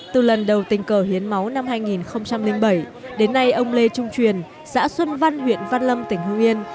từ lần đầu tình cờ hiến máu năm hai nghìn bảy đến nay ông lê trung truyền xã xuân văn huyện văn lâm tỉnh hương yên